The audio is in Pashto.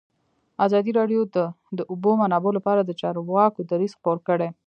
ازادي راډیو د د اوبو منابع لپاره د چارواکو دریځ خپور کړی.